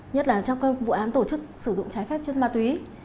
nhất là trong các vụ án tổ chức sử dụng trái phép chất ma tùy